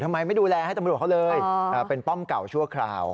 ไม่ดูแลให้ตำรวจเขาเลยเป็นป้อมเก่าชั่วคราว